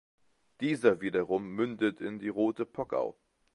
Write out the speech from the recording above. Dieser wiederum mündet in die Rote Pockau.